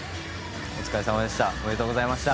お疲れ様でした。